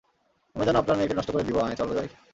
আমি যেন আপনার মেয়েকে নষ্ট করে দিব, আয়, চলো যাই।